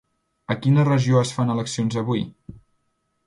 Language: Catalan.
A quina regió es fan eleccions avui?